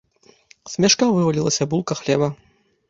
З мяшка вывалілася булка хлеба.